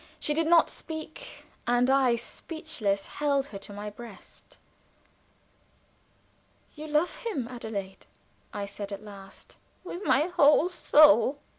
She did not speak, and I, speechless, held her to my breast. "You love him, Adelaide?" I said, at last. "With my whole soul!"